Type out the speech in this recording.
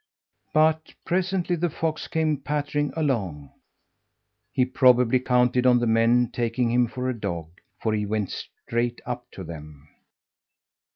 But presently the fox came pattering along. He probably counted on the men taking him for a dog, for he went straight up to them.